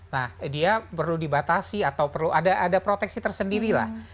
nah dia perlu dibatasi atau perlu ada proteksi tersendiri lah